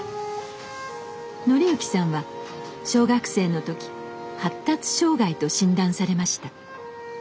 範之さんは小学生の時発達障害と診断されました。